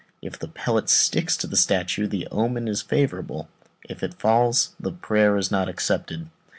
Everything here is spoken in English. If the pellet sticks to the statue, the omen is favourable; if it falls, the prayer is not accepted.